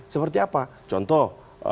seperti apa contoh